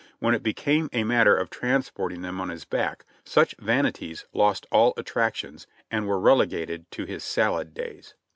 when it became a matter of transporting them on his back, such vanities lost all attractions and were relegated to his "salad days."